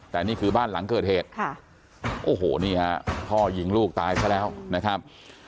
แต่นี่คือบ้านหลังเกิดเหตุค่ะโอ้โหนี่ฮะพ่อยิงลูกตายซะแล้วนะครับ